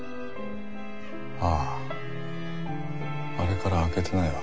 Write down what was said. あああれから開けてないわ。